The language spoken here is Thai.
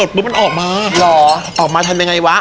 เจอแล้วค่ะเจอแล้ว